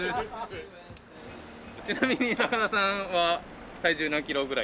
ちなみに高田さんは体重何キロぐらい？